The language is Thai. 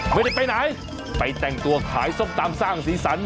ไม่ได้ไปไหนไปแต่งตัวขายส้มตำสร้างสีสัน